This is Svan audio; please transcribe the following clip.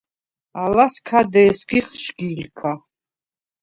ალას ქა დე̄სგიხ შგილქა.